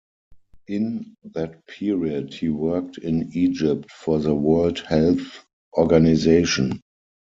In that period he worked in Egypt for the World Health Organization.